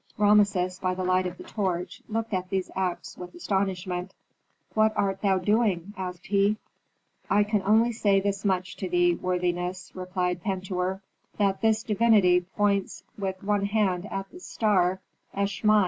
Rameses, by the light of the torch, looked at these acts with astonishment. "What art thou doing?" asked he. "I can only say this much to thee, worthiness," replied Pentuer, "that this divinity points with one hand at the star Eshmun.